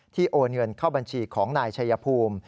โอนเงินเข้าบัญชีของนายชัยภูมิ